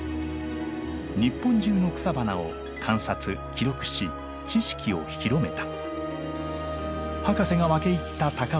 日本中の草花を観察記録し知識を広めた。